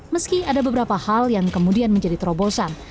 meski ada beberapa hal yang kemudian menjadi terobosan